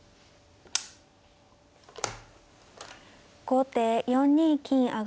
後手４二金上。